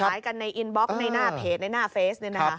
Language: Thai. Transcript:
ขายกันในอินบ็อกซ์ในหน้าเพจในหน้าเฟซนี่นะครับ